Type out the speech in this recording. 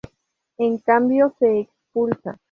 En cambio, se expulsa.